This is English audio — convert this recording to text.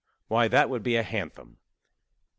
why, that would be a hanthem." B.